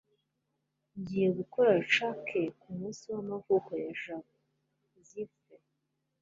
ngiye gukora cake kumunsi w'amavuko ya jabo. (zifre